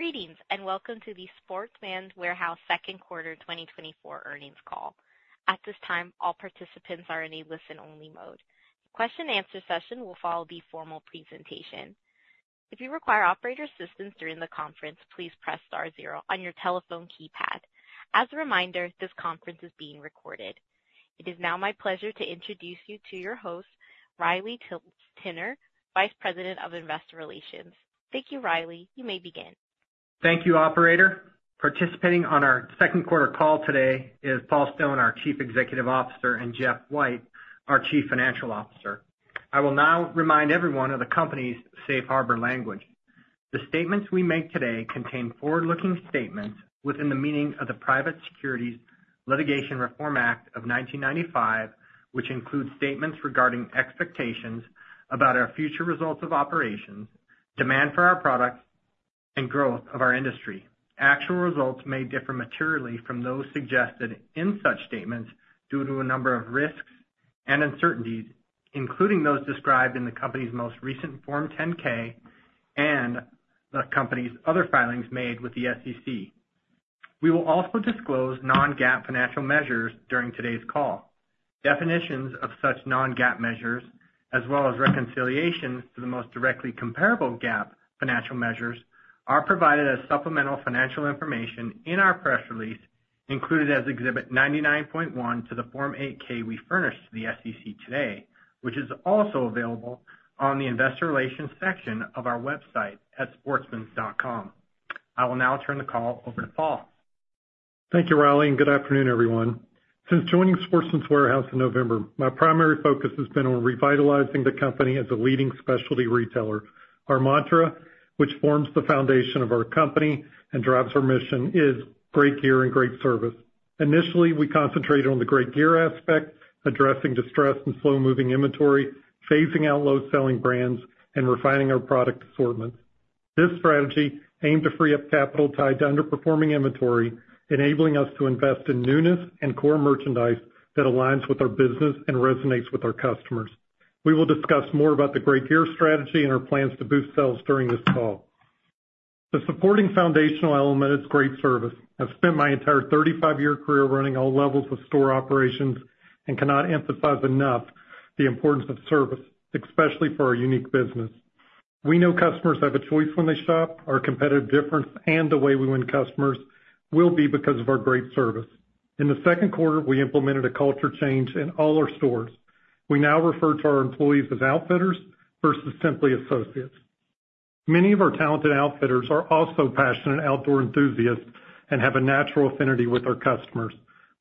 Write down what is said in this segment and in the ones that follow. Greetings, and welcome to the Sportsman's Warehouse Second Quarter 2024 Earnings Call. At this time, all participants are in a listen-only mode. Question and answer session will follow the formal presentation. If you require operator assistance during the conference, please press star zero on your telephone keypad. As a reminder, this conference is being recorded. It is now my pleasure to introduce you to your host, Riley Timmer, Vice President of Investor Relations. Thank you, Riley. You may begin. Thank you, operator. Participating on our second quarter call today is Paul Stone, our Chief Executive Officer, and Jeff White, our Chief Financial Officer. I will now remind everyone of the company's safe harbor language. The statements we make today contain forward-looking statements within the meaning of the Private Securities Litigation Reform Act of 1995, which includes statements regarding expectations about our future results of operations, demand for our products, and growth of our industry. Actual results may differ materially from those suggested in such statements due to a number of risks and uncertainties, including those described in the company's most recent Form 10-K and the company's other filings made with the SEC. We will also disclose non-GAAP financial measures during today's call. Definitions of such non-GAAP measures, as well as reconciliations to the most directly comparable GAAP financial measures, are provided as supplemental financial information in our press release, included as Exhibit 99.1 to the Form 8-K we furnished to the SEC today, which is also available on the investor relations section of our website at sportsmans.com. I will now turn the call over to Paul. Thank you, Riley, and good afternoon, everyone. Since joining Sportsman's Warehouse in November, my primary focus has been on revitalizing the company as a leading specialty retailer. Our mantra, which forms the foundation of our company and drives our mission, is Great Gear and Great Service. Initially, we concentrated on the great gear aspect, addressing distressed and slow-moving inventory, phasing out low-selling brands, and refining our product assortment. This strategy aimed to free up capital tied to underperforming inventory, enabling us to invest in newness and core merchandise that aligns with our business and resonates with our customers. We will discuss more about the great gear strategy and our plans to boost sales during this call. The supporting foundational element is great service. I've spent my entire 35-year career running all levels of store operations and cannot emphasize enough the importance of service, especially for our unique business. We know customers have a choice when they shop. Our competitive difference and the way we win customers will be because of our great service. In the second quarter, we implemented a culture change in all our stores. We now refer to our employees as Outfitters versus simply associates. Many of our talented Outfitters are also passionate outdoor enthusiasts and have a natural affinity with our customers.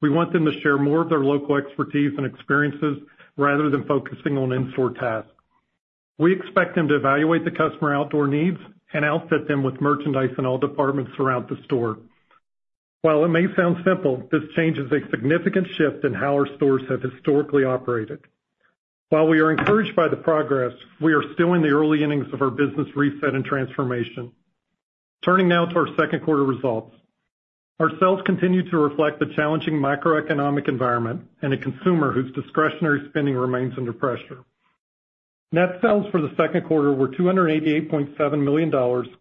We want them to share more of their local expertise and experiences rather than focusing on in-store tasks. We expect them to evaluate the customer outdoor needs and outfit them with merchandise in all departments throughout the store. While it may sound simple, this change is a significant shift in how our stores have historically operated. While we are encouraged by the progress, we are still in the early innings of our business reset and transformation. Turning now to our second quarter results. Our sales continue to reflect the challenging macroeconomic environment and a consumer whose discretionary spending remains under pressure. Net sales for the second quarter were $288.7 million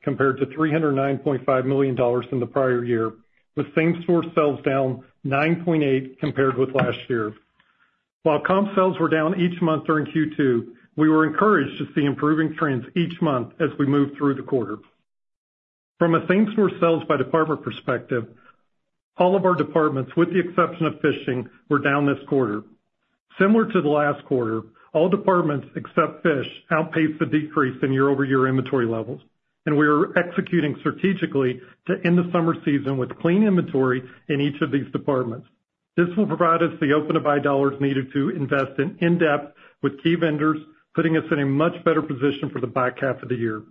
compared to $309.5 million in the prior year, with same-store sales down 9.8% compared with last year. While comp sales were down each month during Q2, we were encouraged to see improving trends each month as we moved through the quarter. From a same-store sales by department perspective, all of our departments, with the exception of fishing, were down this quarter. Similar to the last quarter, all departments except fishing outpaced the decrease in year-over-year inventory levels, and we are executing strategically to end the summer season with clean inventory in each of these departments. This will provide us the open-to-buy dollars needed to invest in-depth with key vendors, putting us in a much better position for the back half of the year.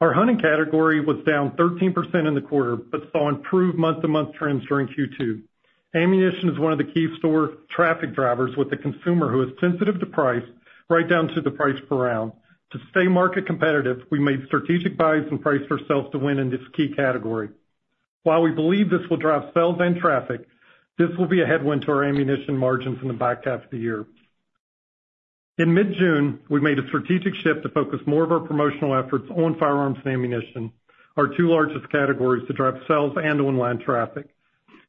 Our hunting category was down 13% in the quarter, but saw improved month-to-month trends during Q2. Ammunition is one of the key store traffic drivers, with a consumer who is sensitive to price right down to the price per round. To stay market competitive, we made strategic buys and priced ourselves to win in this key category. While we believe this will drive sales and traffic, this will be a headwind to our ammunition margins in the back half of the year. In mid-June, we made a strategic shift to focus more of our promotional efforts on firearms and ammunition, our two largest categories, to drive sales and online traffic.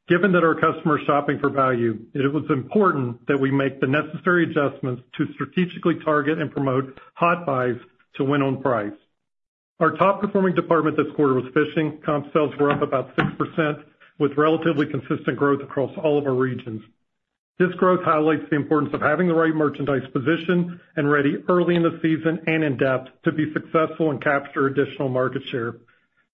Given that our customers are shopping for value, it was important that we make the necessary adjustments to strategically target and promote hot buys to win on price. Our top-performing department this quarter was fishing. Comp sales were up about 6%, with relatively consistent growth across all of our regions. This growth highlights the importance of having the right merchandise positioned and ready early in the season and in-depth to be successful and capture additional market share.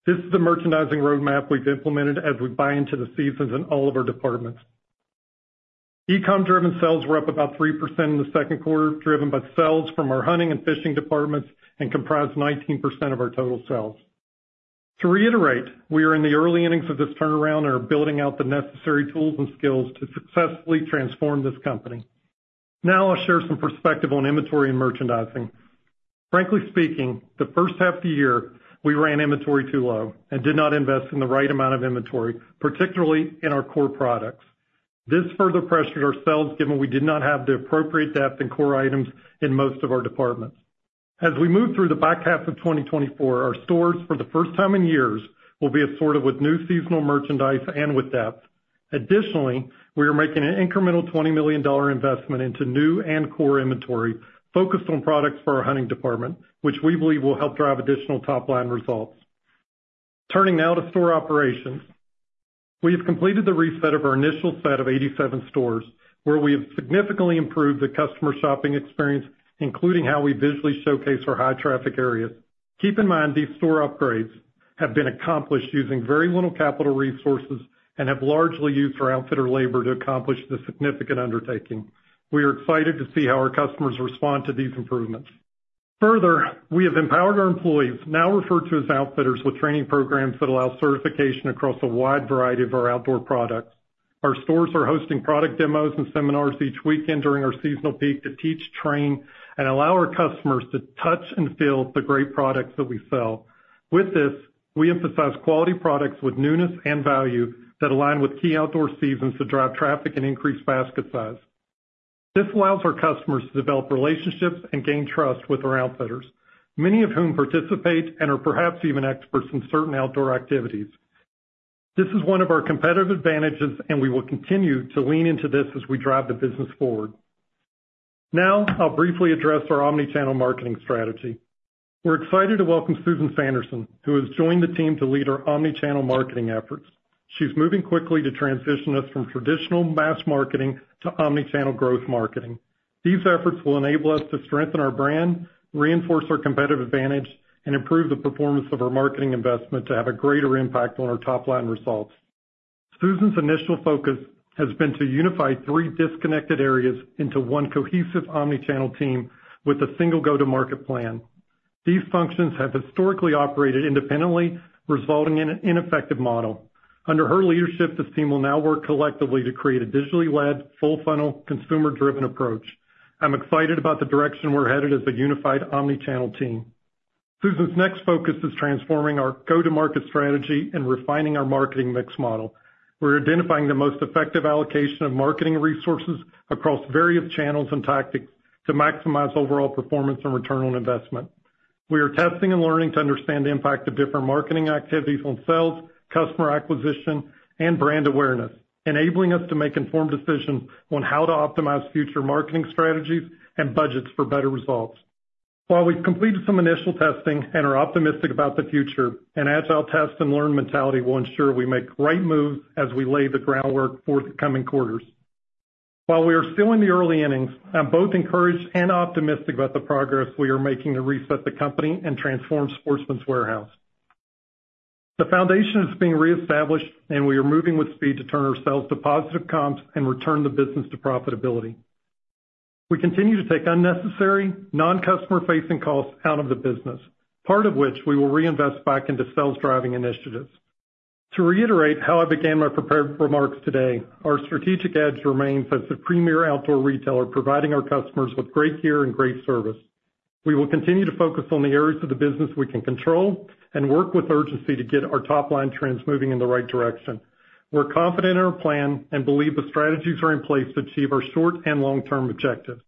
This is the merchandising roadmap we've implemented as we buy into the seasons in all of our departments. E-com driven sales were up about 3% in the second quarter, driven by sales from our hunting and fishing departments, and comprised 19% of our total sales. To reiterate, we are in the early innings of this turnaround and are building out the necessary tools and skills to successfully transform this company. Now I'll share some perspective on inventory and merchandising. Frankly speaking, the first half of the year, we ran inventory too low and did not invest in the right amount of inventory, particularly in our core products. This further pressured our sales, given we did not have the appropriate depth in core items in most of our departments. As we move through the back half of 2024, our stores, for the first time in years, will be assorted with new seasonal merchandise and with depth. Additionally, we are making an incremental $20 million investment into new and core inventory, focused on products for our hunting department, which we believe will help drive additional top-line results. Turning now to store operations. We have completed the reset of our initial set of 87 stores, where we have significantly improved the customer shopping experience, including how we visually showcase our high-traffic areas. Keep in mind, these store upgrades have been accomplished using very little capital resources and have largely used our Outfitter labor to accomplish this significant undertaking. We are excited to see how our customers respond to these improvements. Further, we have empowered our employees, now referred to as Outfitters, with training programs that allow certification across a wide variety of our outdoor products. Our stores are hosting product demos and seminars each weekend during our seasonal peak to teach, train, and allow our customers to touch and feel the great products that we sell. With this, we emphasize quality products with newness and value that align with key outdoor seasons to drive traffic and increase basket size. This allows our customers to develop relationships and gain trust with our Outfitters, many of whom participate and are perhaps even experts in certain outdoor activities. This is one of our competitive advantages, and we will continue to lean into this as we drive the business forward. Now, I'll briefly address our omnichannel marketing strategy. We're excited to welcome Susan Sanderson, who has joined the team to lead our omnichannel marketing efforts. She's moving quickly to transition us from traditional mass marketing to omnichannel growth marketing. These efforts will enable us to strengthen our brand, reinforce our competitive advantage, and improve the performance of our marketing investment to have a greater impact on our top-line results. Susan's initial focus has been to unify three disconnected areas into one cohesive omnichannel team with a single go-to-market plan. These functions have historically operated independently, resulting in an ineffective model. Under her leadership, this team will now work collectively to create a digitally led, full-funnel, consumer-driven approach. I'm excited about the direction we're headed as a unified omnichannel team. Susan's next focus is transforming our go-to-market strategy and refining our marketing mix model. We're identifying the most effective allocation of marketing resources across various channels and tactics to maximize overall performance and return on investment. We are testing and learning to understand the impact of different marketing activities on sales, customer acquisition, and brand awareness, enabling us to make informed decisions on how to optimize future marketing strategies and budgets for better results. While we've completed some initial testing and are optimistic about the future, an agile test-and-learn mentality will ensure we make right moves as we lay the groundwork for the coming quarters. While we are still in the early innings, I'm both encouraged and optimistic about the progress we are making to reset the company and transform Sportsman's Warehouse. The foundation is being reestablished, and we are moving with speed to turn ourselves to positive comps and return the business to profitability. We continue to take unnecessary, non-customer-facing costs out of the business, part of which we will reinvest back into sales-driving initiatives. To reiterate how I began my prepared remarks today, our strategic edge remains as the premier outdoor retailer, providing our customers with great gear and great service. We will continue to focus on the areas of the business we can control and work with urgency to get our top-line trends moving in the right direction. We're confident in our plan and believe the strategies are in place to achieve our short- and long-term objectives.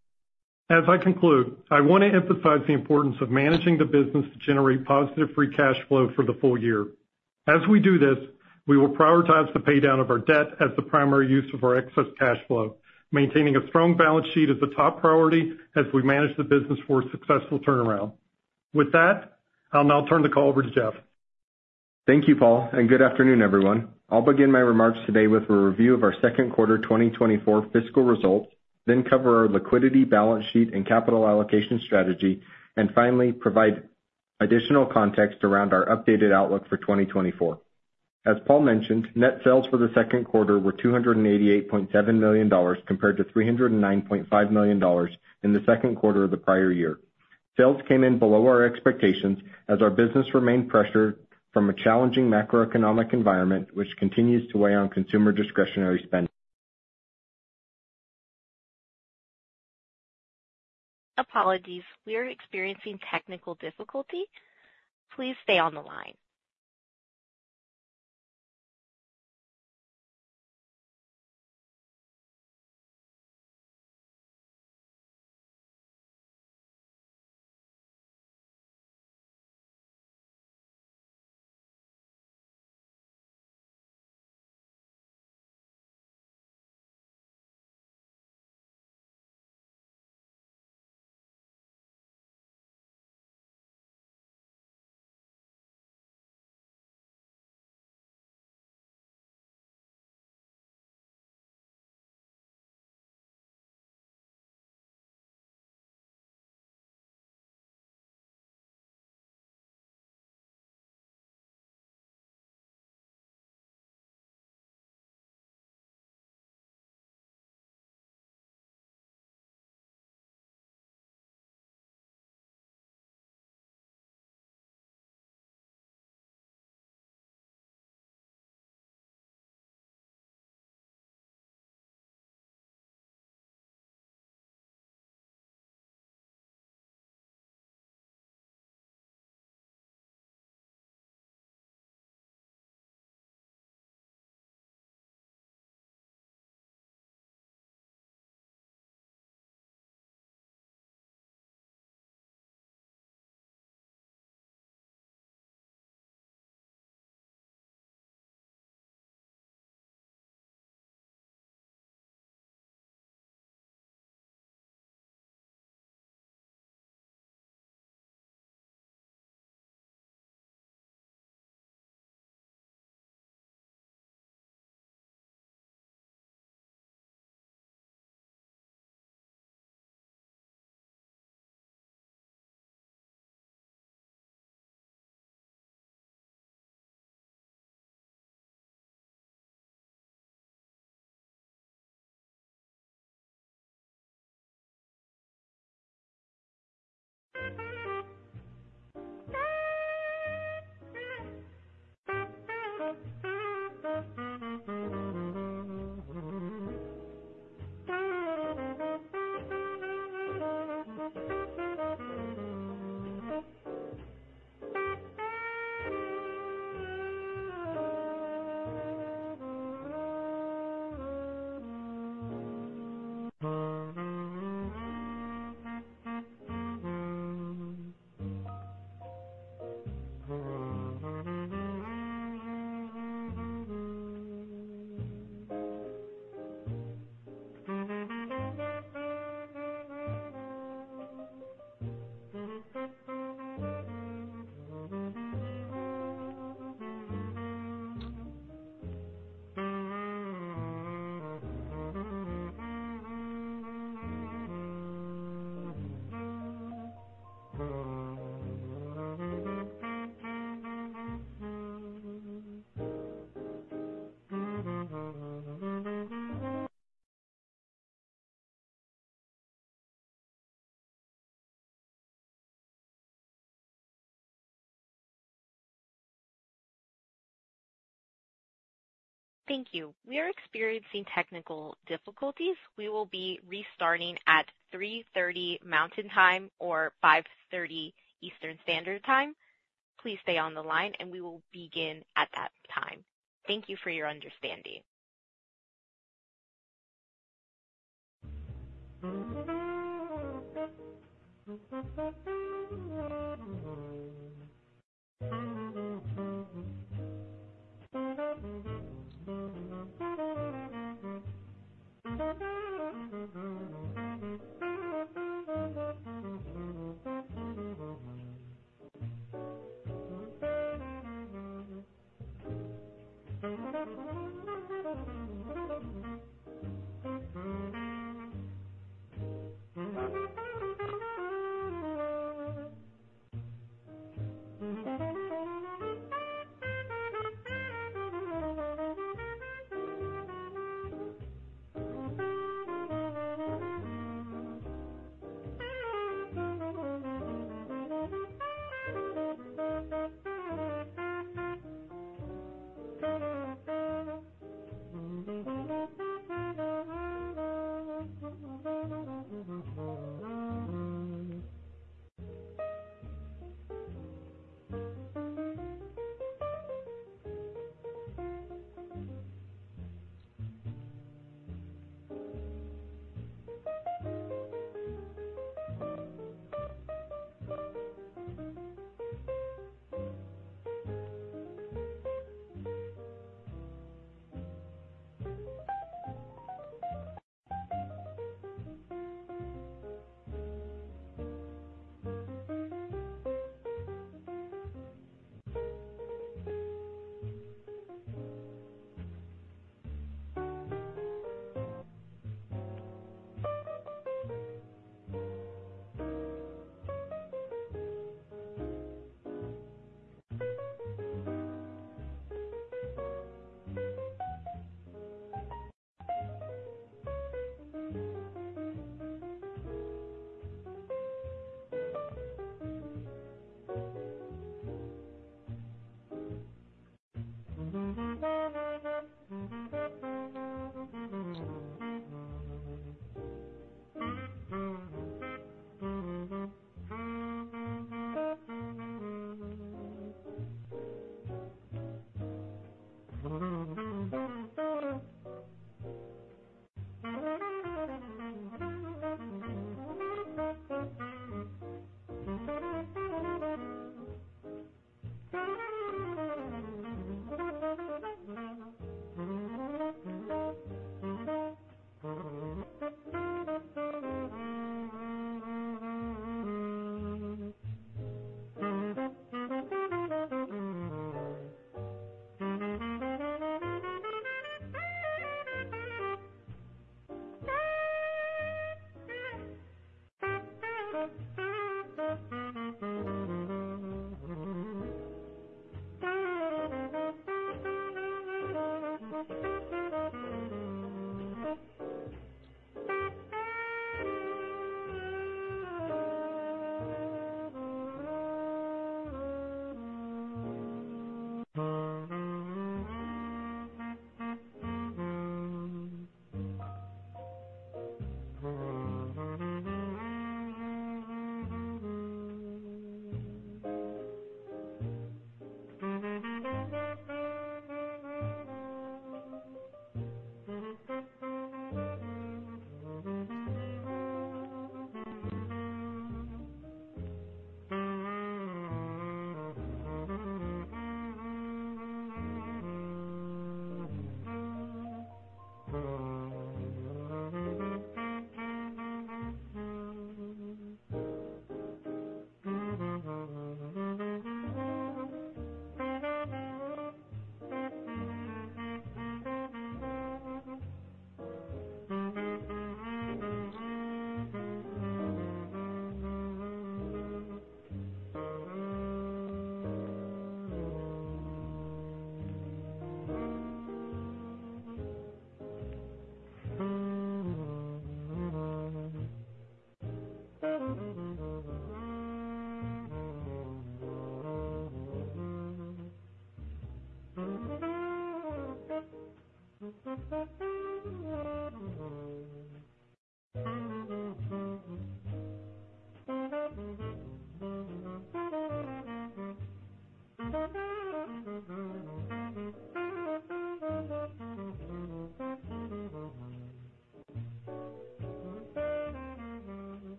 As I conclude, I want to emphasize the importance of managing the business to generate positive free cash flow for the full year. As we do this, we will prioritize the paydown of our debt as the primary use of our excess cash flow, maintaining a strong balance sheet as a top priority as we manage the business for a successful turnaround. With that, I'll now turn the call over to Jeff. Thank you, Paul, and good afternoon, everyone. I'll begin my remarks today with a review of our second quarter 2024 fiscal results, then cover our liquidity, balance sheet, and capital allocation strategy, and finally, provide additional context around our updated outlook for 2024. As Paul mentioned, net sales for the second quarter were $288.7 million, compared to $309.5 million in the second quarter of the prior year. Sales came in below our expectations as our business remained pressured from a challenging macroeconomic environment, which continues to weigh on consumer discretionary spend- Apologies, we are experiencing technical difficulty. Please stay on the line.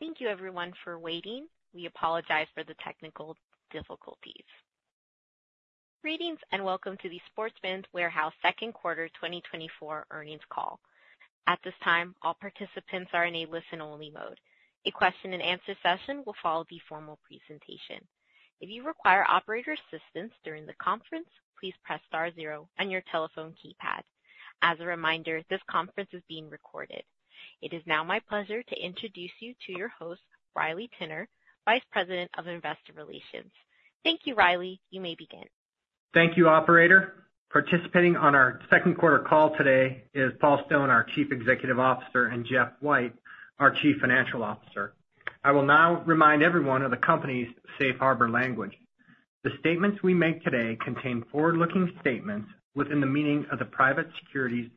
Thank you, everyone, for waiting. We apologize for the technical difficulties. Greetings and welcome to the Sportsman's Warehouse Second Quarter 2024 Earnings Call. At this time, all participants are in a listen-only mode. A question and answer session will follow the formal presentation. If you require operator assistance during the conference, please press star zero on your telephone keypad. As a reminder, this conference is being recorded. It is now my pleasure to introduce you to your host, Riley Timmer, Vice President of Investor Relations. Thank you, Riley. You may begin. Thank you, operator. Participating on our second quarter call today is Paul Stone, our Chief Executive Officer, and Jeff White, our Chief Financial Officer. I will now remind everyone of the company's safe harbor language. The statements we make today contain forward-looking statements within the meaning of the Private Securities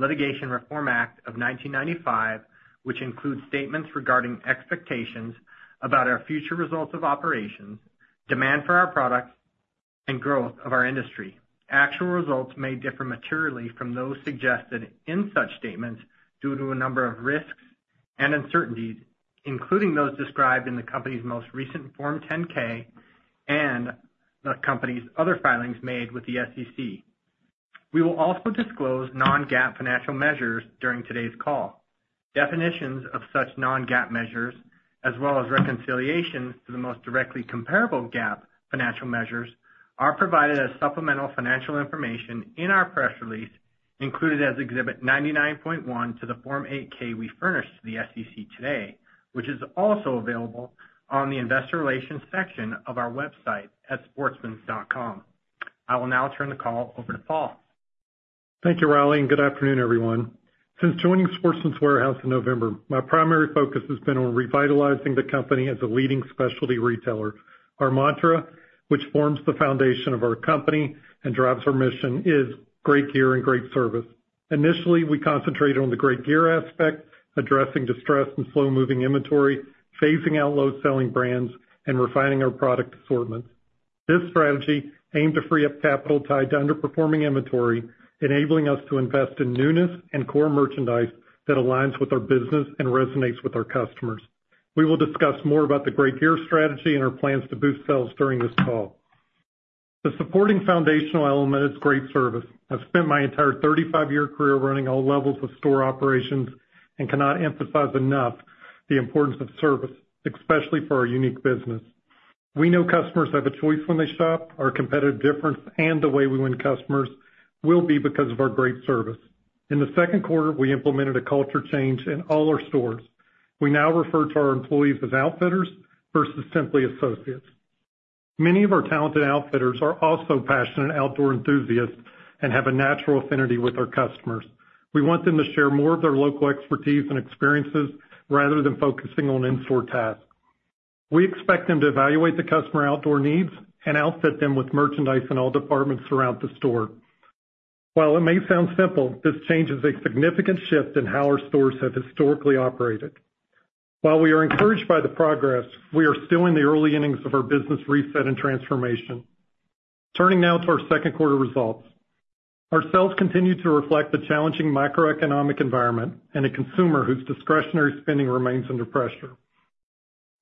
Litigation Reform Act of 1995, which includes statements regarding expectations about our future results of operations, demand for our products, and growth of our industry. Actual results may differ materially from those suggested in such statements due to a number of risks and uncertainties, including those described in the company's most recent Form 10-K and the company's other filings made with the SEC. We will also disclose non-GAAP financial measures during today's call. Definitions of such non-GAAP measures, as well as reconciliation to the most directly comparable GAAP financial measures, are provided as supplemental financial information in our press release, included as Exhibit 99.1 to the Form 8-K we furnished to the SEC today, which is also available on the investor relations section of our website at sportsmans.com. I will now turn the call over to Paul. Thank you, Riley, and good afternoon, everyone. Since joining Sportsman's Warehouse in November, my primary focus has been on revitalizing the company as a leading specialty retailer. Our mantra, which forms the foundation of our company and drives our mission, is Great Gear and Great Service. Initially, we concentrated on the great gear aspect, addressing distressed and slow-moving inventory, phasing out low-selling brands, and refining our product assortment. This strategy aimed to free up capital tied to underperforming inventory, enabling us to invest in newness and core merchandise that aligns with our business and resonates with our customers. We will discuss more about the great gear strategy and our plans to boost sales during this call. The supporting foundational element is great service. I've spent my entire 35-year career running all levels of store operations and cannot emphasize enough the importance of service, especially for our unique business. We know customers have a choice when they shop. Our competitive difference and the way we win customers will be because of our great service. In the second quarter, we implemented a culture change in all our stores. We now refer to our employees as Outfitters versus simply associates. Many of our talented Outfitters are also passionate outdoor enthusiasts and have a natural affinity with our customers. We want them to share more of their local expertise and experiences rather than focusing on in-store tasks. We expect them to evaluate the customer outdoor needs and outfit them with merchandise in all departments throughout the store. While it may sound simple, this change is a significant shift in how our stores have historically operated. While we are encouraged by the progress, we are still in the early innings of our business reset and transformation. Turning now to our second quarter results. Our sales continued to reflect the challenging macroeconomic environment and a consumer whose discretionary spending remains under pressure.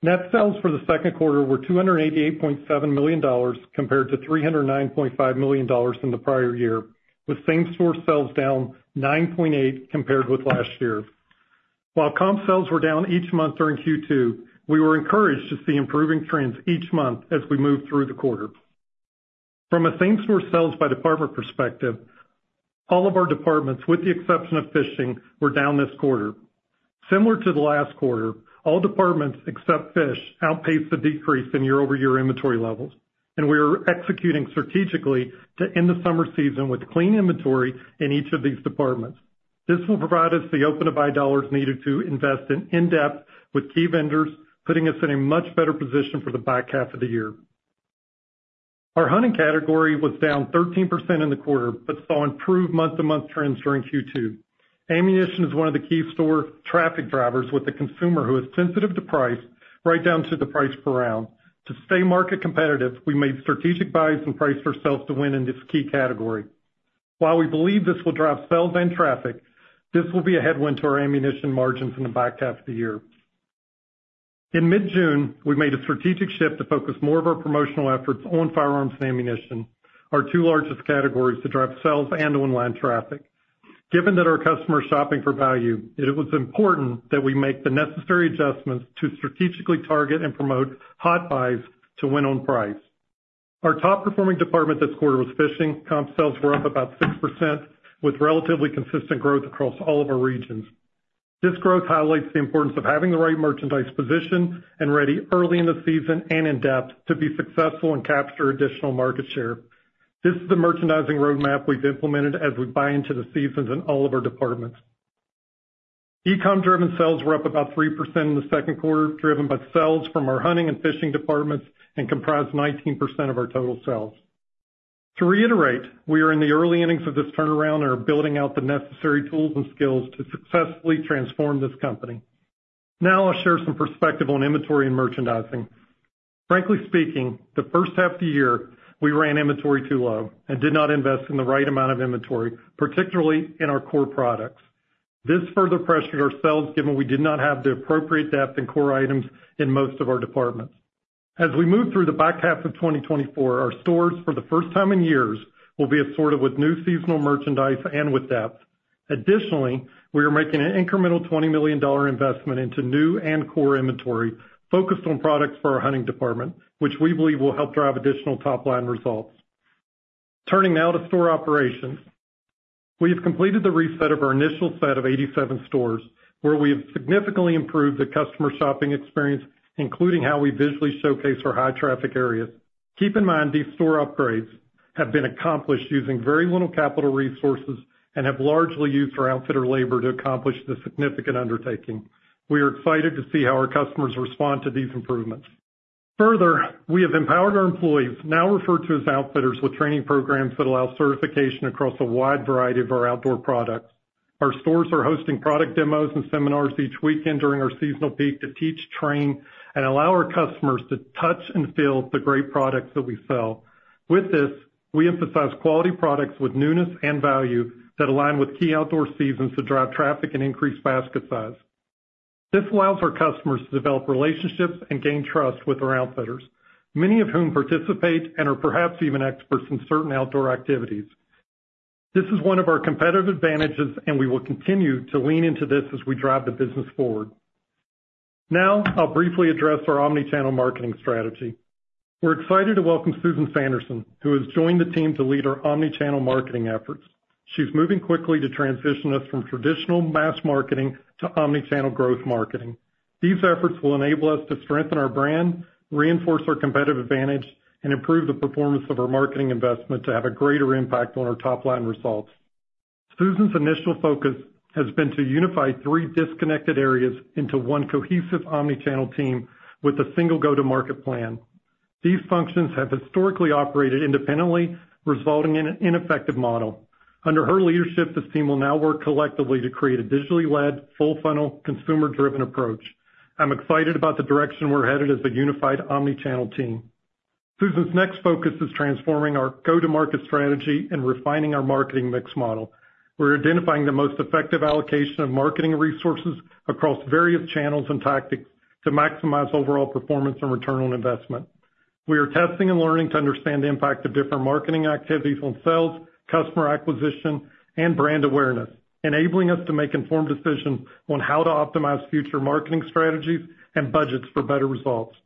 Net sales for the second quarter were $288.7 million, compared to $309.5 million in the prior year, with same-store sales down 9.8% compared with last year. While comp sales were down each month during Q2, we were encouraged to see improving trends each month as we moved through the quarter. From a same-store sales by department perspective, all of our departments, with the exception of fishing, were down this quarter. Similar to the last quarter, all departments except fish outpaced the decrease in year-over-year inventory levels, and we are executing strategically to end the summer season with clean inventory in each of these departments. This will provide us the open-to-buy dollars needed to invest in-depth with key vendors, putting us in a much better position for the back half of the year. Our hunting category was down 13% in the quarter, but saw improved month-to-month trends during Q2. Ammunition is one of the key store traffic drivers, with the consumer who is sensitive to price right down to the price per round. To stay market competitive, we made strategic buys and priced ourselves to win in this key category. While we believe this will drive sales and traffic, this will be a headwind to our ammunition margins in the back half of the year. In mid-June, we made a strategic shift to focus more of our promotional efforts on firearms and ammunition, our two largest categories, to drive sales and online traffic. Given that our customers are shopping for value, it was important that we make the necessary adjustments to strategically target and promote hot buys to win on price. Our top-performing department this quarter was fishing. Comp sales were up about 6%, with relatively consistent growth across all of our regions. This growth highlights the importance of having the right merchandise positioned and ready early in the season and in-depth to be successful and capture additional market share. This is the merchandising roadmap we've implemented as we buy into the seasons in all of our departments. E-com-driven sales were up about 3% in the second quarter, driven by sales from our hunting and fishing departments and comprised 19% of our total sales. To reiterate, we are in the early innings of this turnaround and are building out the necessary tools and skills to successfully transform this company. Now I'll share some perspective on inventory and merchandising. Frankly speaking, the first half of the year, we ran inventory too low and did not invest in the right amount of inventory, particularly in our core products. This further pressured our sales, given we did not have the appropriate depth in core items in most of our departments. As we move through the back half of 2024, our stores, for the first time in years, will be assorted with new seasonal merchandise and with depth. Additionally, we are making an incremental $20 million investment into new and core inventory focused on products for our hunting department, which we believe will help drive additional top-line results. Turning now to store operations. We have completed the reset of our initial set of 87 stores, where we have significantly improved the customer shopping experience, including how we visually showcase our high-traffic areas. Keep in mind, these store upgrades have been accomplished using very little capital resources and have largely used our Outfitter labor to accomplish this significant undertaking. We are excited to see how our customers respond to these improvements. Further, we have empowered our employees, now referred to as Outfitters, with training programs that allow certification across a wide variety of our outdoor products. Our stores are hosting product demos and seminars each weekend during our seasonal peak to teach, train, and allow our customers to touch and feel the great products that we sell. With this, we emphasize quality products with newness and value that align with key outdoor seasons to drive traffic and increase basket size. This allows our customers to develop relationships and gain trust with our Outfitters, many of whom participate and are perhaps even experts in certain outdoor activities. This is one of our competitive advantages, and we will continue to lean into this as we drive the business forward. Now, I'll briefly address our omni-channel marketing strategy. We're excited to welcome Susan Sanderson, who has joined the team to lead our omni-channel marketing efforts. She's moving quickly to transition us from traditional mass marketing to omni-channel growth marketing. These efforts will enable us to strengthen our brand, reinforce our competitive advantage, and improve the performance of our marketing investment to have a greater impact on our top-line results. Susan's initial focus has been to unify three disconnected areas into one cohesive omni-channel team with a single go-to-market plan. These functions have historically operated independently, resulting in an ineffective model. Under her leadership, the team will now work collectively to create a digitally led, full-funnel, consumer-driven approach. I'm excited about the direction we're headed as a unified omni-channel team. Susan's next focus is transforming our go-to-market strategy and refining our marketing mix model. We're identifying the most effective allocation of marketing resources across various channels and tactics to maximize overall performance and return on investment. We are testing and learning to understand the impact of different marketing activities on sales, customer acquisition, and brand awareness, enabling us to make informed decisions on how to optimize future marketing strategies and budgets for better results.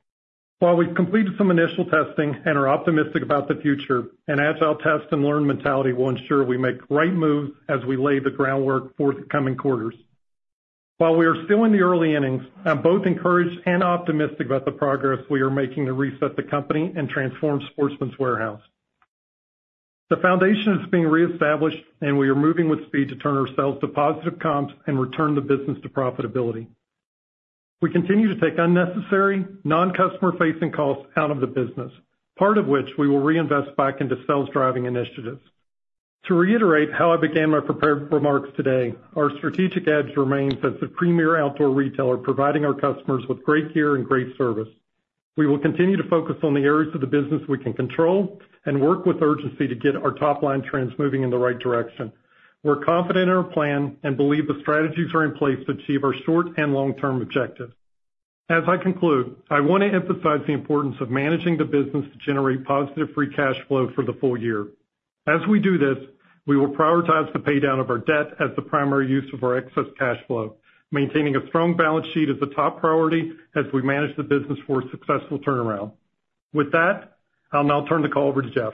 While we've completed some initial testing and are optimistic about the future, an agile test-and-learn mentality will ensure we make right moves as we lay the groundwork for the coming quarters. While we are still in the early innings, I'm both encouraged and optimistic about the progress we are making to reset the company and transform Sportsman's Warehouse. The foundation is being reestablished, and we are moving with speed to turn ourselves to positive comps and return the business to profitability. We continue to take unnecessary, non-customer-facing costs out of the business, part of which we will reinvest back into sales-driving initiatives. To reiterate how I began my prepared remarks today, our strategic edge remains as the premier outdoor retailer, providing our customers with great gear and great service. We will continue to focus on the areas of the business we can control and work with urgency to get our top-line trends moving in the right direction. We're confident in our plan and believe the strategies are in place to achieve our short and long-term objectives. As I conclude, I want to emphasize the importance of managing the business to generate positive free cash flow for the full year. As we do this, we will prioritize the paydown of our debt as the primary use of our excess cash flow, maintaining a strong balance sheet as a top priority as we manage the business for a successful turnaround. With that, I'll now turn the call over to Jeff.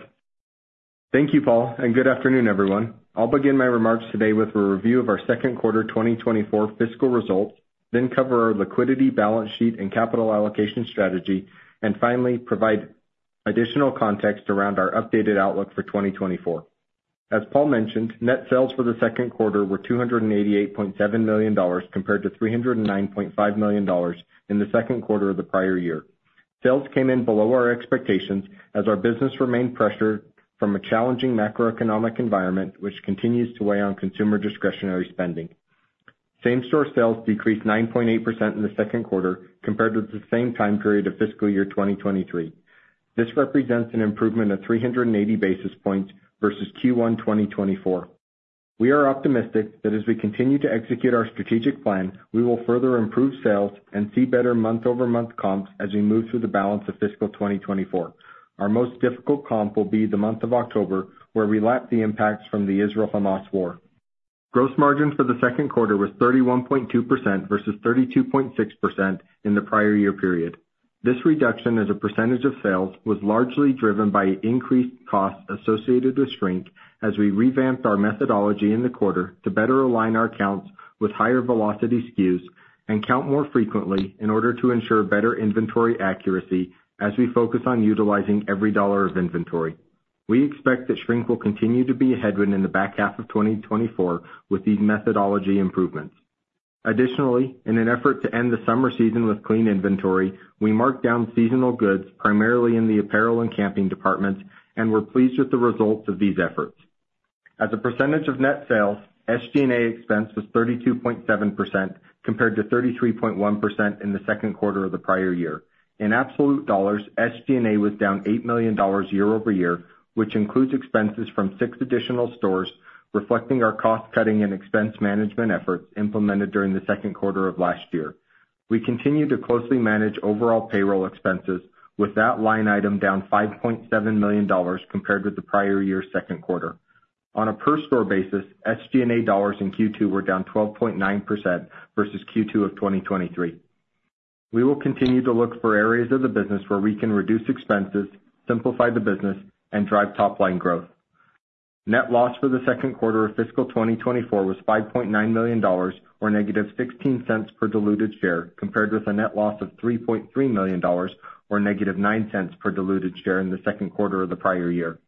Thank you, Paul, and good afternoon, everyone. I'll begin my remarks today with a review of our second quarter 2024 fiscal results, then cover our liquidity, balance sheet, and capital allocation strategy, and finally, provide additional context around our updated outlook for 2024. As Paul mentioned, net sales for the second quarter were $288.7 million, compared to $309.5 million in the second quarter of the prior year. Sales came in below our expectations as our business remained pressured from a challenging macroeconomic environment, which continues to weigh on consumer discretionary spending. Same-store sales decreased 9.8% in the second quarter compared with the same time period of fiscal year 2023. This represents an improvement of 380 basis points versus Q1 2024. We are optimistic that as we continue to execute our strategic plan, we will further improve sales and see better month-over-month comps as we move through the balance of fiscal 2024. Our most difficult comp will be the month of October, where we lap the impacts from the Israel-Hamas war. Gross margin for the second quarter was 31.2% versus 32.6% in the prior year period. This reduction as a percentage of sales was largely driven by increased costs associated with shrink, as we revamped our methodology in the quarter to better align our counts with higher velocity SKUs and count more frequently in order to ensure better inventory accuracy as we focus on utilizing every dollar of inventory. We expect that shrink will continue to be a headwind in the back half of 2024 with these methodology improvements. Additionally, in an effort to end the summer season with clean inventory, we marked down seasonal goods, primarily in the apparel and camping departments, and we're pleased with the results of these efforts. As a percentage of net sales, SG&A expense was 32.7%, compared to 33.1% in the second quarter of the prior year. In absolute dollars, SG&A was down $8 million year-over-year, which includes expenses from six additional stores, reflecting our cost-cutting and expense management efforts implemented during the second quarter of last year. We continue to closely manage overall payroll expenses, with that line item down $5.7 million compared with the prior year's second quarter. On a per-store basis, SG&A dollars in Q2 were down 12.9% versus Q2 of 2023. We will continue to look for areas of the business where we can reduce expenses, simplify the business, and drive top-line growth. Net loss for the second quarter of fiscal 2024 was $5.9 million, or -$0.16 per diluted share, compared with a net loss of $3.3 million or -$0.09 per diluted share in the second quarter of the prior year.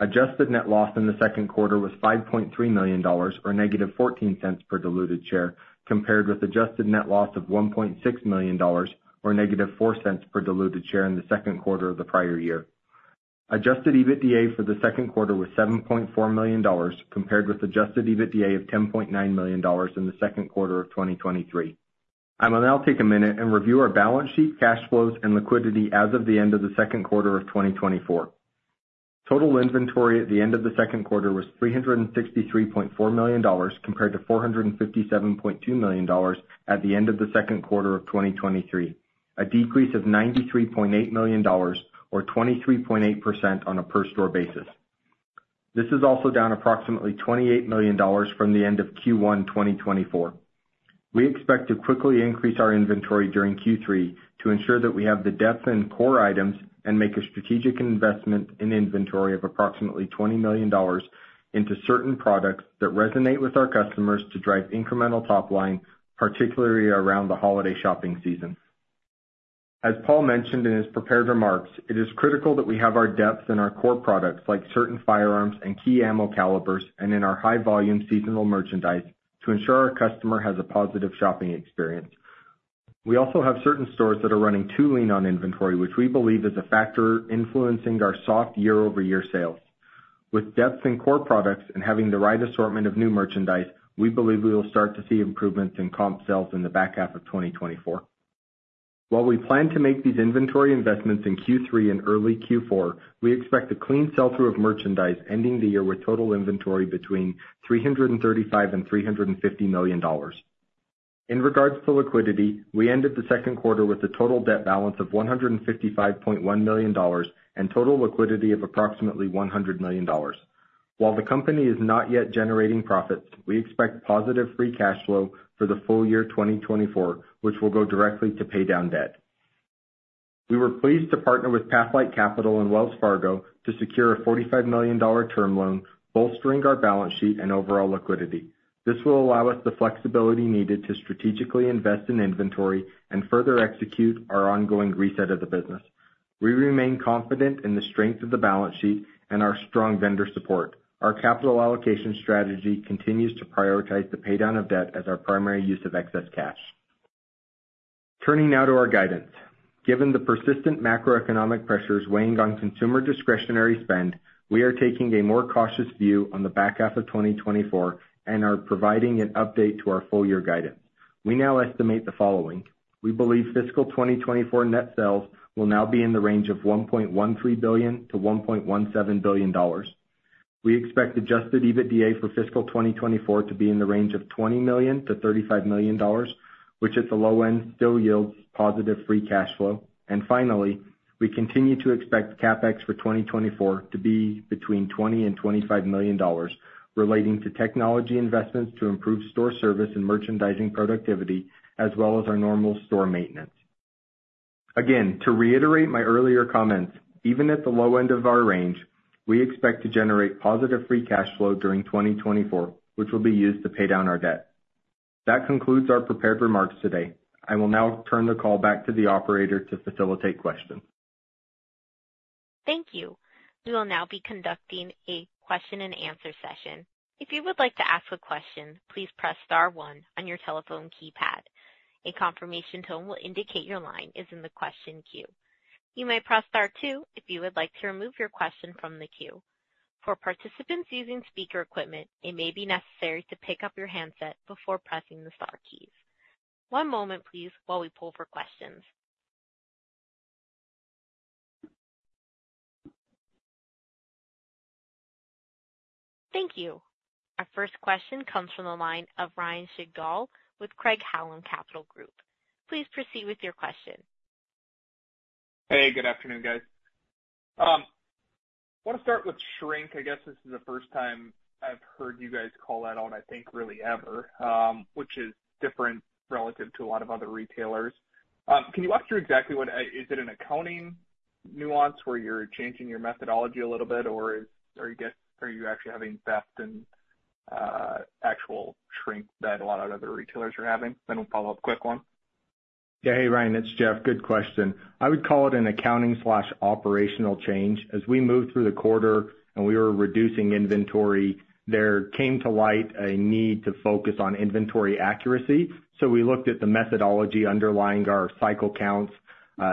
Adjusted net loss in the second quarter was $5.3 million, or -$0.14 per diluted share, compared with adjusted net loss of $1.6 million or -$0.04 per diluted share in the second quarter of the prior year. Adjusted EBITDA for the second quarter was $7.4 million, compared with adjusted EBITDA of $10.9 million in the second quarter of 2023. I will now take a minute and review our balance sheet, cash flows, and liquidity as of the end of the second quarter of 2024. Total inventory at the end of the second quarter was $363.4 million, compared to $457.2 million at the end of the second quarter of 2023, a decrease of $93.8 million or 23.8% on a per store basis. This is also down approximately $28 million from the end of Q1 2024. We expect to quickly increase our inventory during Q3 to ensure that we have the depth and core items and make a strategic investment in inventory of approximately $20 million into certain products that resonate with our customers to drive incremental top line, particularly around the holiday shopping season. As Paul mentioned in his prepared remarks, it is critical that we have our depth in our core products, like certain firearms and key ammo calibers, and in our high volume seasonal merchandise to ensure our customer has a positive shopping experience. We also have certain stores that are running too lean on inventory, which we believe is a factor influencing our soft year-over-year sales. With depth in core products and having the right assortment of new merchandise, we believe we will start to see improvements in comp sales in the back half of 2024. While we plan to make these inventory investments in Q3 and early Q4, we expect a clean sell-through of merchandise, ending the year with total inventory between $335 million and $350 million. In regards to liquidity, we ended the second quarter with a total debt balance of $155.1 million and total liquidity of approximately $100 million. While the company is not yet generating profits, we expect positive free cash flow for the full year 2024, which will go directly to pay down debt. We were pleased to partner with Pathlight Capital and Wells Fargo to secure a $45 million term loan, bolstering our balance sheet and overall liquidity. This will allow us the flexibility needed to strategically invest in inventory and further execute our ongoing reset of the business. We remain confident in the strength of the balance sheet and our strong vendor support. Our capital allocation strategy continues to prioritize the paydown of debt as our primary use of excess cash. Turning now to our guidance. Given the persistent macroeconomic pressures weighing on consumer discretionary spend, we are taking a more cautious view on the back half of 2024 and are providing an update to our full year guidance. We now estimate the following: We believe fiscal 2024 net sales will now be in the range of $1.13 billion-$1.17 billion. We expect adjusted EBITDA for fiscal 2024 to be in the range of $20 million-$35 million, which at the low end, still yields positive free cash flow. And finally, we continue to expect CapEx for 2024 to be between $20 million and $25 million, relating to technology investments to improve store service and merchandising productivity, as well as our normal store maintenance. Again, to reiterate my earlier comments, even at the low end of our range, we expect to generate positive free cash flow during 2024, which will be used to pay down our debt. That concludes our prepared remarks today. I will now turn the call back to the operator to facilitate questions. Thank you. We will now be conducting a question-and-answer session. If you would like to ask a question, please press star one on your telephone keypad. A confirmation tone will indicate your line is in the question queue. You may press star two if you would like to remove your question from the queue. For participants using speaker equipment, it may be necessary to pick up your handset before pressing the star keys. One moment, please, while we pull for questions. Thank you. Our first question comes from the line of Ryan Sigdahl with Craig-Hallum Capital Group. Please proceed with your question. Hey, good afternoon, guys. I want to start with shrink. I guess this is the first time I've heard you guys call that out, I think, really ever, which is different relative to a lot of other retailers. Can you walk through exactly what? Is it an accounting nuance where you're changing your methodology a little bit, or are you guys actually having theft and actual shrink that a lot of other retailers are having? Then we'll follow up, quick one. Yeah. Hey, Ryan, it's Jeff. Good question. I would call it an accounting slash operational change. As we moved through the quarter and we were reducing inventory, there came to light a need to focus on inventory accuracy. So we looked at the methodology underlying our cycle counts,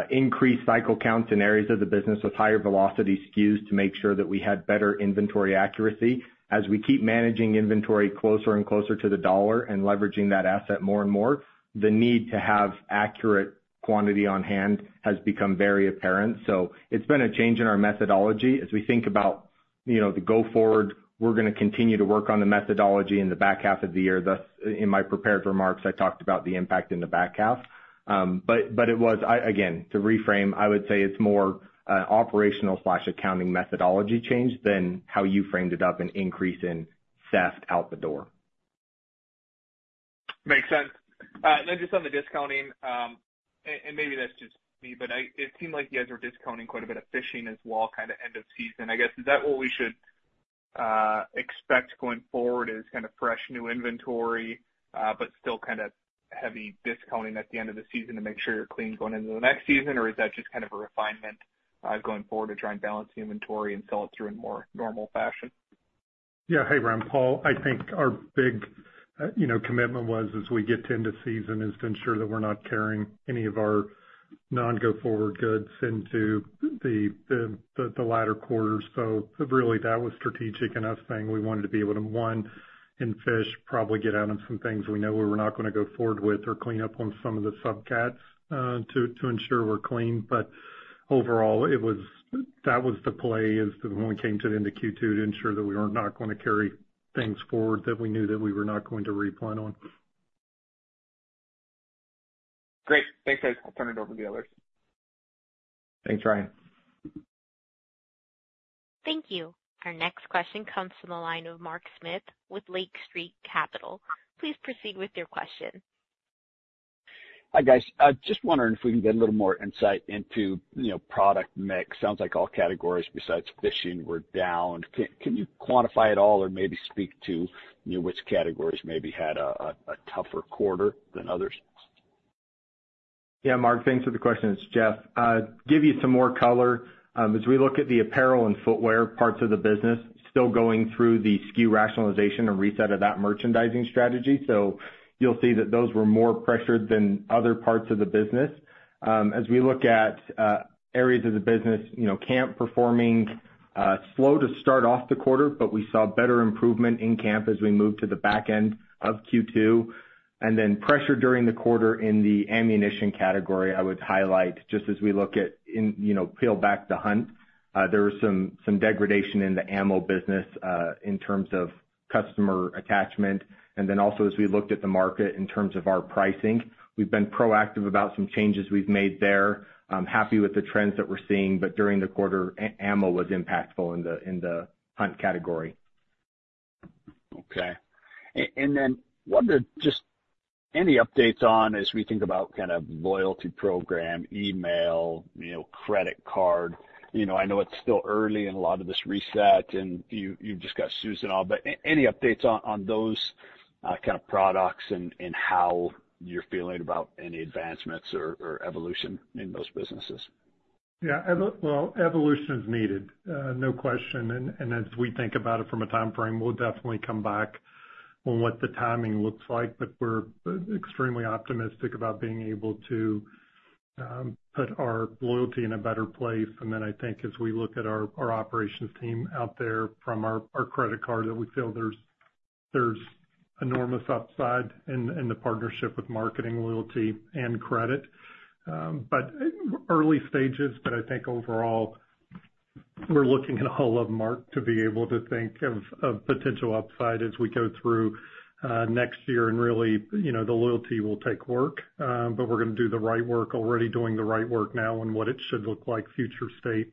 increased cycle counts in areas of the business with higher velocity SKUs to make sure that we had better inventory accuracy. As we keep managing inventory closer and closer to the dollar and leveraging that asset more and more, the need to have accurate quantity on hand has become very apparent. So it's been a change in our methodology. As we think about, you know, the go forward, we're gonna continue to work on the methodology in the back half of the year. Thus, in my prepared remarks, I talked about the impact in the back half. But it was again, to reframe, I would say it's more operational slash accounting methodology change than how you framed it up, an increase in theft out the door. It makes sense. Then just on the discounting, and maybe that's just me, but it seemed like you guys were discounting quite a bit of fishing as well, kind of end of season. I guess, is that what we should expect going forward, is kind of fresh new inventory, but still kind of heavy discounting at the end of the season to make sure you're clean going into the next season? Or is that just kind of a refinement going forward to try and balance the inventory and sell it through in more normal fashion? Yeah. Hey, Ryan, Paul. I think our big, you know, commitment was, as we get into season, is to ensure that we're not carrying any of our non-go-forward goods into the latter quarters. So really, that was strategic and us saying we wanted to be able to, one, in fish, probably get out on some things we know we were not gonna go forward with or clean up on some of the subcats, to ensure we're clean. But overall, it was. That was the play, is when we came to the end of Q2, to ensure that we were not gonna carry things forward that we knew that we were not going to replan on. Great. Thanks, guys. I'll turn it over to the others. Thanks, Ryan. Thank you. Our next question comes from the line of Mark Smith with Lake Street Capital. Please proceed with your question. Hi, guys. Just wondering if we can get a little more insight into, you know, product mix. Sounds like all categories besides fishing were down. Can you quantify at all or maybe speak to, you know, which categories maybe had a tougher quarter than others? Yeah, Mark, thanks for the question. It's Jeff. Give you some more color, as we look at the apparel and footwear parts of the business, still going through the SKU rationalization and reset of that merchandising strategy. So you'll see that those were more pressured than other parts of the business. As we look at areas of the business, you know, camp performing slow to start off the quarter, but we saw better improvement in camp as we moved to the back end of Q2. Then pressure during the quarter in the ammunition category, I would highlight, just as we look at in, you know, peel back the hunt, there was some degradation in the ammo business, in terms of customer attachment. Then also, as we looked at the market in terms of our pricing, we've been proactive about some changes we've made there. I'm happy with the trends that we're seeing, but during the quarter, ammo was impactful in the hunt category. Okay. And then I wonder, just any updates on as we think about kind of loyalty program, email, you know, credit card? You know, I know it's still early in a lot of this reset, and you, you've just got Susan on, but any updates on those kind of products and how you're feeling about any advancements or evolution in those businesses? Yeah, well, evolution is needed, no question. And as we think about it from a time frame, we'll definitely come back on what the timing looks like. But we're extremely optimistic about being able to put our loyalty in a better place. And then I think as we look at our operations team out there from our credit card, that we feel there's enormous upside in the partnership with marketing, loyalty, and credit. But early stages, but I think overall, we're looking at all of merch to be able to think of potential upside as we go through next year. Really, you know, the loyalty will take work, but we're gonna do the right work, already doing the right work now on what it should look like, future state,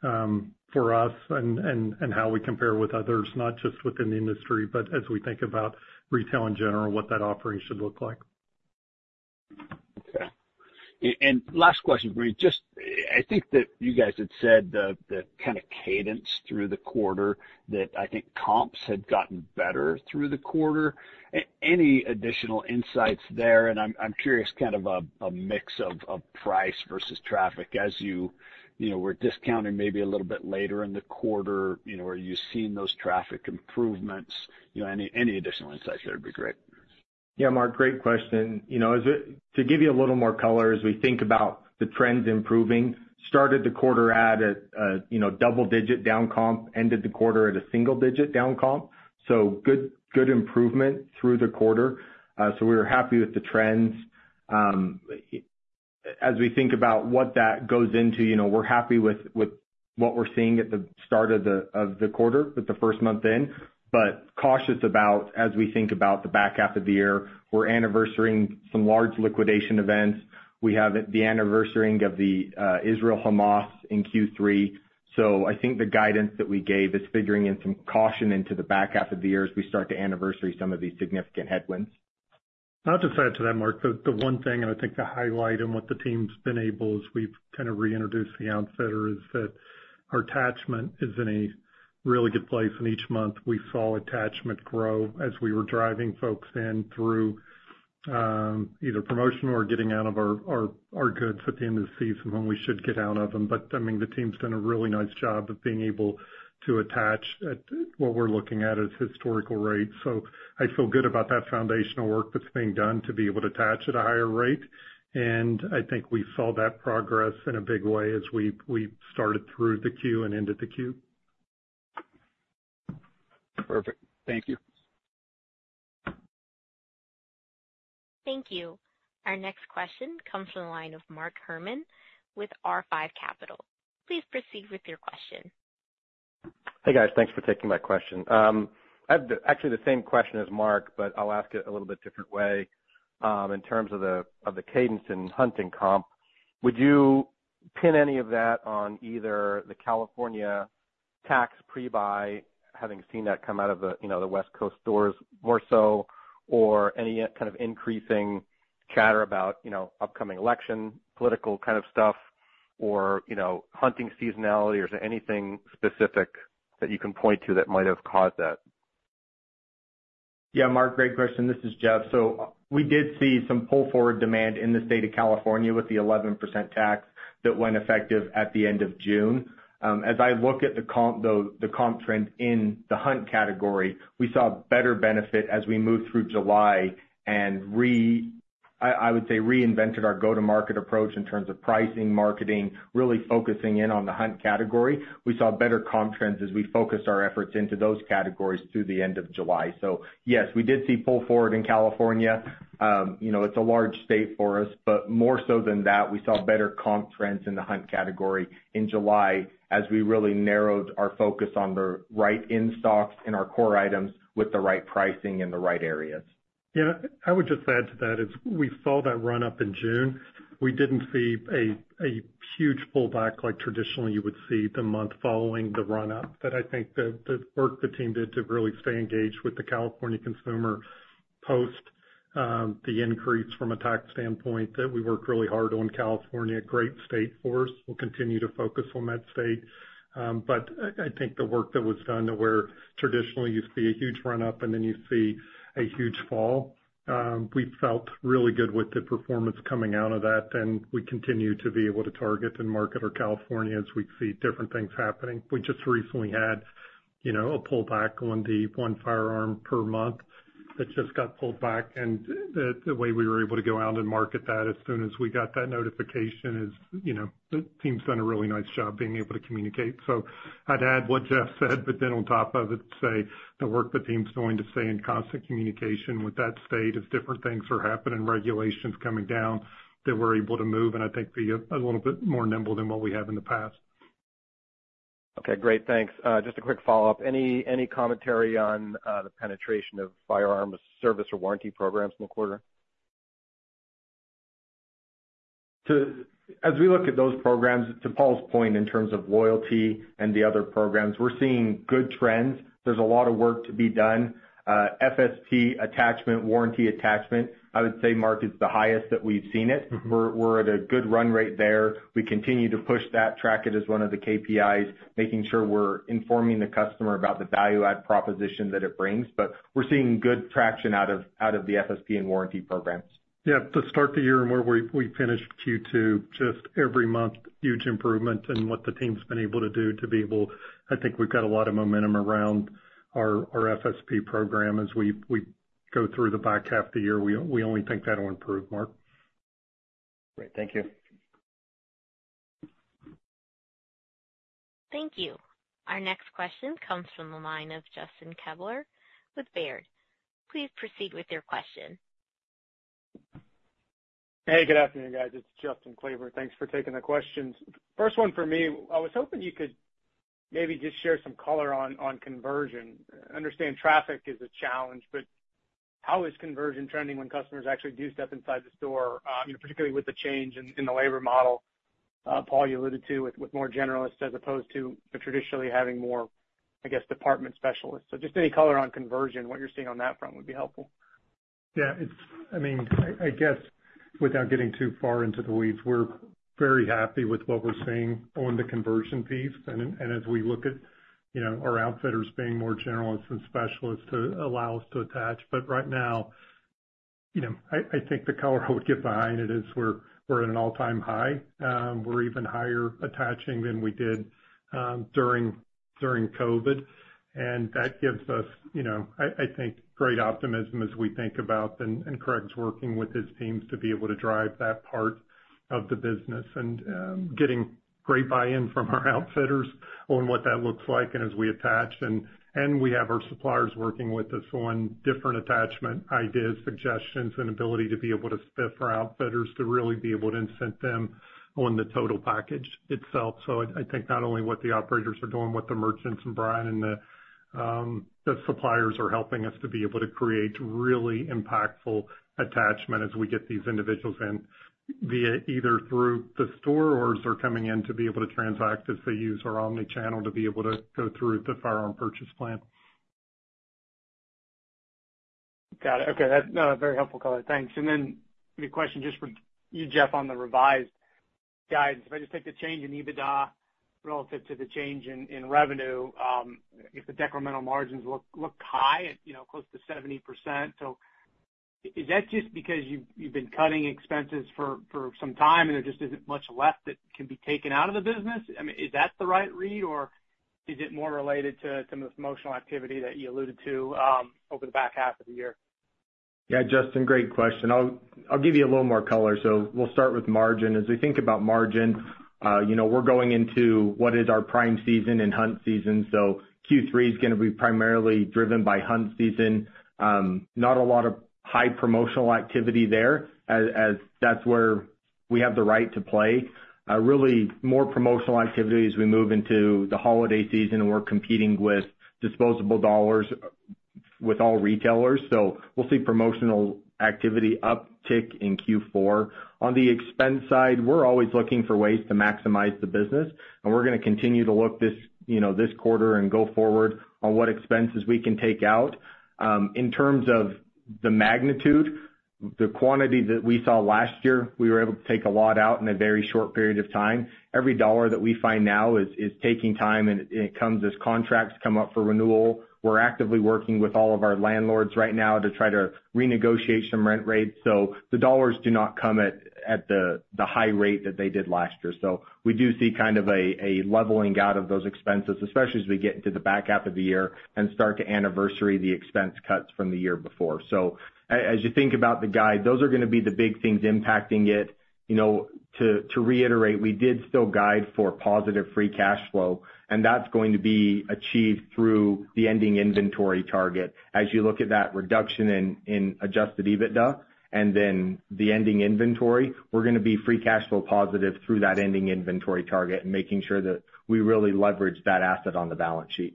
for us and how we compare with others, not just within the industry, but as we think about retail in general, what that offering should look like. Okay. And last question for you. Just, I think that you guys had said the kind of cadence through the quarter, that I think comps had gotten better through the quarter. Any additional insights there? And I'm curious, kind of a mix of price versus traffic as you know were discounting maybe a little bit later in the quarter, you know, are you seeing those traffic improvements? You know, any additional insights there would be great. Yeah, Mark, great question. You know, to give you a little more color, as we think about the trends improving, started the quarter at a, you know, double-digit down comp, ended the quarter at a single-digit down comp, so good, good improvement through the quarter. So we were happy with the trends. As we think about what that goes into, you know, we're happy with what we're seeing at the start of the quarter, with the first month in, but cautious about as we think about the back half of the year. We're anniversarying some large liquidation events. We have the anniversarying of the Israel-Hamas in Q3. So I think the guidance that we gave is figuring in some caution into the back half of the year as we start to anniversary some of these significant headwinds. I'll just add to that, Mark. The one thing, and I think the highlight in what the team's been able, as we've kind of reintroduced the Outfitter, is that our attachment is in a really good place, and each month we saw attachment grow as we were driving folks in through either promotion or getting out of our goods at the end of the season when we should get out of them. But, I mean, the team's done a really nice job of being able to attach at what we're looking at as historical rates. So I feel good about that foundational work that's being done to be able to attach at a higher rate. And I think we saw that progress in a big way as we started through the Q and ended the Q. Perfect. Thank you. Thank you. Our next question comes from the line of Mark Herrmann with R5 Capital. Please proceed with your question. Hey, guys. Thanks for taking my question. Actually, I have the same question as Mark, but I'll ask it a little bit different way. In terms of the cadence in hunting comp, would you pin any of that on either the California tax pre-buy, having seen that come out of the, you know, the West Coast stores more so, or any kind of increasing chatter about, you know, upcoming election, political kind of stuff, or, you know, hunting seasonality, or is there anything specific that you can point to that might have caused that? Yeah, Mark, great question. This is Jeff. So we did see some pull forward demand in the state of California with the 11% tax that went effective at the end of June. As I look at the comp, the comp trend in the hunt category, we saw better benefit as we moved through July and I would say, reinvented our go-to-market approach in terms of pricing, marketing, really focusing in on the hunt category. We saw better comp trends as we focused our efforts into those categories through the end of July. So yes, we did see pull forward in California. You know, it's a large state for us, but more so than that, we saw better comp trends in the hunt category in July as we really narrowed our focus on the right in-stocks and our core items with the right pricing in the right areas. Yeah, I would just add to that, is we saw that run up in June. We didn't see a huge pullback like traditionally you would see the month following the run up. But I think the work the team did to really stay engaged with the California consumer post the increase from a tax standpoint, that we worked really hard on California, great state for us. We'll continue to focus on that state. But I think the work that was done, that where traditionally you see a huge run up and then you see a huge fall, we felt really good with the performance coming out of that, and we continue to be able to target and market our California as we see different things happening. We just recently had, you know, a pullback on the one firearm per month that just got pulled back, and the way we were able to go out and market that as soon as we got that notification is, you know, the team's done a really nice job being able to communicate, so I'd add what Jeff said, but then on top of it, say the work the team's doing to stay in constant communication with that state, as different things are happening, regulations coming down, that we're able to move, and I think be a little bit more nimble than what we have in the past. Okay, great. Thanks. Just a quick follow-up. Any commentary on the penetration of firearm service or warranty programs in the quarter? As we look at those programs, to Paul's point, in terms of loyalty and the other programs, we're seeing good trends. There's a lot of work to be done. FSP attachment, warranty attachment, I would say, Mark, it's the highest that we've seen it. Mm-hmm. We're at a good run rate there. We continue to push that track. It is one of the KPIs, making sure we're informing the customer about the value add proposition that it brings. But we're seeing good traction out of the FSP and warranty programs. Yeah, to start the year and where we finished Q2, just every month, huge improvement in what the team's been able to do to be able... I think we've got a lot of momentum around our FSP program as we go through the back half of the year. We only think that'll improve, Mark. Great. Thank you. Thank you. Our next question comes from the line of Justin Kleber with Baird. Please proceed with your question. Hey, good afternoon, guys. It's Justin Kleber. Thanks for taking the questions. First one for me, I was hoping you could maybe just share some color on conversion. I understand traffic is a challenge, but how is conversion trending when customers actually do step inside the store? Particularly with the change in the labor model, Paul, you alluded to, with more generalists as opposed to traditionally having more, I guess, department specialists. So just any color on conversion, what you're seeing on that front, would be helpful. Yeah, it's. I mean, I guess without getting too far into the weeds, we're very happy with what we're seeing on the conversion piece. As we look at, you know, our Outfitters being more generalists than specialists to allow us to attach. But right now, you know, I think the color I would give behind it is we're at an all-time high. We're even higher attaching than we did during COVID, and that gives us, you know, I think, great optimism as we think about, and Craig's working with his teams to be able to drive that part of the business and getting great buy-in from our Outfitters on what that looks like and as we attach. We have our suppliers working with us on different attachment ideas, suggestions, and ability to be able to spiff our Outfitters to really be able to incent them on the total package itself. So I, I think not only what the operators are doing, what the merchants and Brian, and the suppliers are helping us to be able to create really impactful attachment as we get these individuals in, via either through the store or as they're coming in to be able to transact as they use our omnichannel to be able to go through the firearm purchase plan. Got it. Okay, that's a very helpful color. Thanks, and then a question just for you, Jeff, on the revised guidance. If I just take the change in EBITDA relative to the change in revenue, if the decremental margins look high at, you know, close to 70%. So, is that just because you've been cutting expenses for some time, and there just isn't much left that can be taken out of the business? I mean, is that the right read, or is it more related to some of the promotional activity that you alluded to over the back half of the year? Yeah, Justin, great question. I'll give you a little more color. So we'll start with margin. As we think about margin, you know, we're going into what is our prime season and hunt season, so Q3 is gonna be primarily driven by hunt season. Not a lot of high promotional activity there, as that's where we have the right to play. Really more promotional activity as we move into the holiday season, and we're competing with disposable dollars with all retailers, so we'll see promotional activity uptick in Q4. On the expense side, we're always looking for ways to maximize the business, and we're gonna continue to look this, you know, this quarter and go forward on what expenses we can take out. In terms of the magnitude, the quantity that we saw last year, we were able to take a lot out in a very short period of time. Every dollar that we find now is taking time, and it comes as contracts come up for renewal. We're actively working with all of our landlords right now to try to renegotiate some rent rates, so the dollars do not come at the high rate that they did last year. So we do see kind of a leveling out of those expenses, especially as we get into the back half of the year and start to anniversary the expense cuts from the year before. So as you think about the guide, those are gonna be the big things impacting it. You know, to reiterate, we did still guide for positive free cash flow, and that's going to be achieved through the ending inventory target. As you look at that reduction in adjusted EBITDA and then the ending inventory, we're gonna be free cash flow positive through that ending inventory target and making sure that we really leverage that asset on the balance sheet.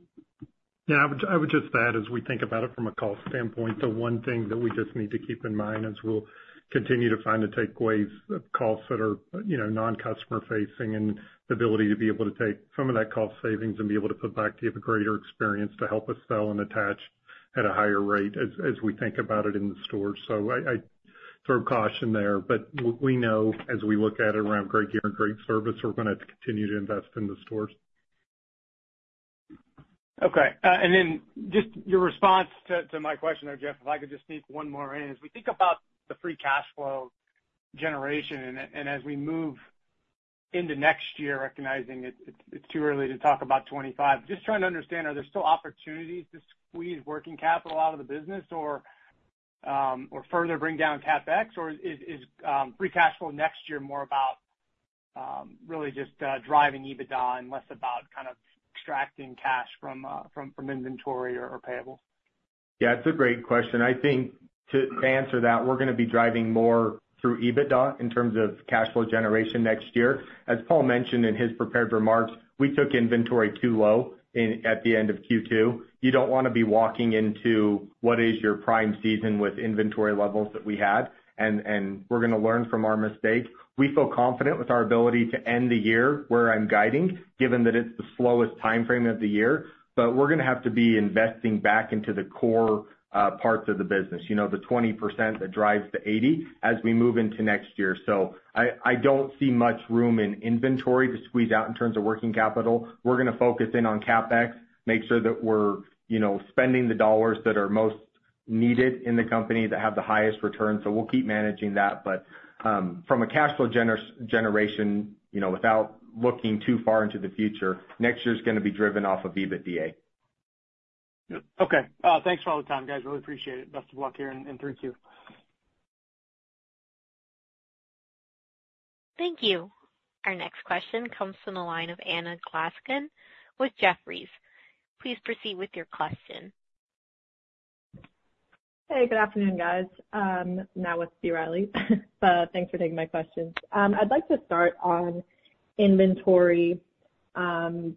Yeah, I would just add, as we think about it from a cost standpoint, the one thing that we just need to keep in mind as we'll continue to find and take ways out of costs that are, you know, non-customer facing, and the ability to be able to take some of that cost savings and be able to put back to give a greater experience to help us sell and attach at a higher rate as we think about it in the stores. So I throw caution there, but we know as we look at it around great gear and great service, we're gonna continue to invest in the stores. Okay, and then just your response to my question there, Jeff, if I could just sneak one more in. As we think about the free cash flow generation and as we move into next year, recognizing it, it's too early to talk about 2025, just trying to understand, are there still opportunities to squeeze working capital out of the business or further bring down CapEx? Or is free cash flow next year more about really just driving EBITDA and less about kind of extracting cash from inventory or payable? Yeah, it's a great question. I think to answer that, we're gonna be driving more through EBITDA in terms of cash flow generation next year. As Paul mentioned in his prepared remarks, we took inventory too low in at the end of Q2. You don't wanna be walking into what is your prime season with inventory levels that we had, and we're gonna learn from our mistakes. We feel confident with our ability to end the year where I'm guiding, given that it's the slowest timeframe of the year, but we're gonna have to be investing back into the core parts of the business, you know, the 20% that drives the 80 as we move into next year. So I don't see much room in inventory to squeeze out in terms of working capital. We're gonna focus in on CapEx, make sure that we're, you know, spending the dollars that are most needed in the company, that have the highest return. So we'll keep managing that, but from a cash flow generation, you know, without looking too far into the future, next year's gonna be driven off of EBITDA. Okay. Thanks for all the time, guys. Really appreciate it. Best of luck here, and thank you. Thank you. Our next question comes from the line of Anna Glaessgen with Jefferies. Please proceed with your question. Hey, good afternoon, guys. Now with B. Riley, but thanks for taking my questions. I'd like to start on inventory. You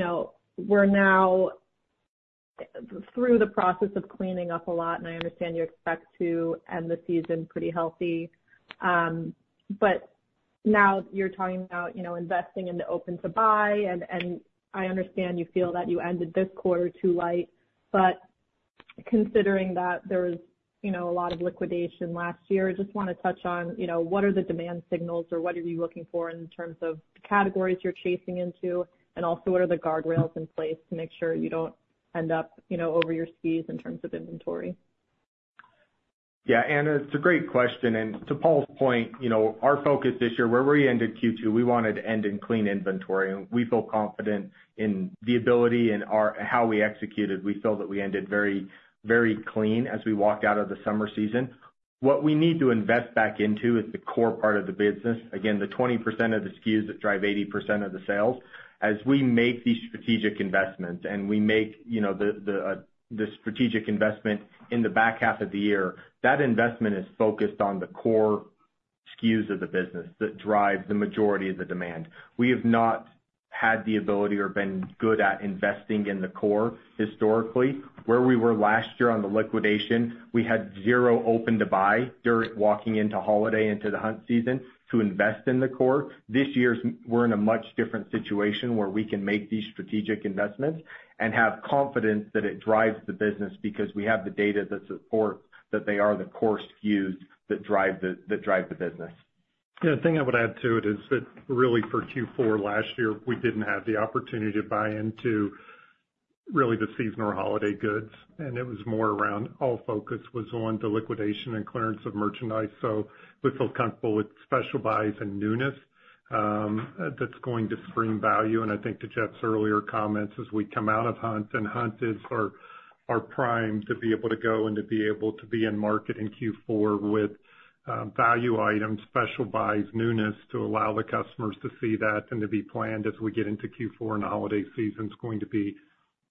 know, we're now through the process of cleaning up a lot, and I understand you expect to end the season pretty healthy. But now you're talking about, you know, investing in the open-to-buy, and I understand you feel that you ended this quarter too light. But considering that there was, you know, a lot of liquidation last year, I just wanna touch on, you know, what are the demand signals, or what are you looking for in terms of categories you're chasing into? And also, what are the guardrails in place to make sure you don't end up, you know, over your skis in terms of inventory? Yeah, Anna, it's a great question, and to Paul's point, you know, our focus this year, where we ended Q2, we wanted to end in clean inventory, and we feel confident in the ability and our how we executed. We feel that we ended very, very clean as we walked out of the summer season. What we need to invest back into is the core part of the business. Again, the 20% of the SKUs that drive 80% of the sales. As we make these strategic investments and we make, you know, the strategic investment in the back half of the year, that investment is focused on the core SKUs of the business that drive the majority of the demand. We have not had the ability or been good at investing in the core historically. Where we were last year on the liquidation, we had zero open-to-buy during walking into holiday, into the hunt season to invest in the core. This year, we're in a much different situation where we can make these strategic investments and have confidence that it drives the business, because we have the data that support that they are the core SKUs that drive the business. Yeah, the thing I would add to it is that really for Q4 last year, we didn't have the opportunity to buy into really the seasonal holiday goods, and it was more around all focus was on the liquidation and clearance of merchandise. So we feel comfortable with special buys and newness, that's going to bring value. And I think to Jeff's earlier comments, as we come out of hunt, and hunt is our prime to be able to go and to be able to be in market in Q4 with value items, special buys, newness, to allow the customers to see that and to be planned as we get into Q4 and the holiday season, is going to be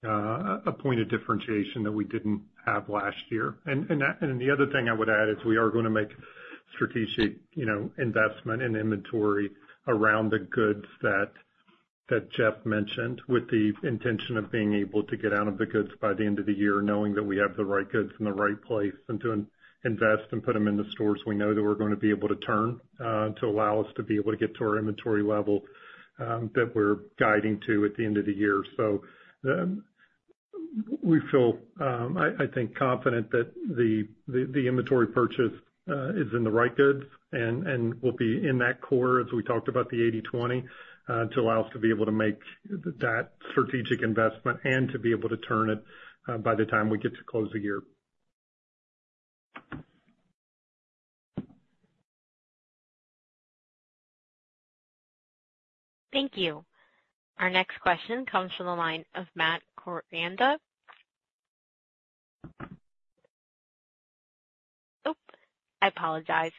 a point of differentiation that we didn't have last year. The other thing I would add is we are gonna make strategic, you know, investment in inventory around the goods that Jeff mentioned, with the intention of being able to get out of the goods by the end of the year, knowing that we have the right goods in the right place, and to invest and put them in the stores we know that we're gonna be able to turn, to allow us to be able to get to our inventory level that we're guiding to at the end of the year. We feel, I think, confident that the inventory purchase is in the right goods and will be in that core as we talked about the 80/20, to allow us to be able to make that strategic investment and to be able to turn it, by the time we get to close the year. Thank you. Our next question comes from the line of Matt Koranda. Oop! I apologize.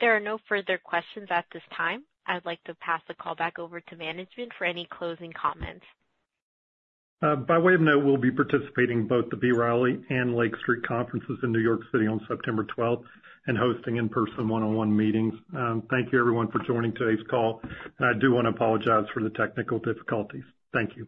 There are no further questions at this time. I'd like to pass the call back over to management for any closing comments. By way of note, we'll be participating in both the B. Riley and Lake Street conferences in New York City on September 12th and hosting in-person one-on-one meetings. Thank you everyone for joining today's call, and I do want to apologize for the technical difficulties. Thank you.